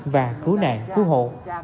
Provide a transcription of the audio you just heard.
và cứu nạn cứu hộ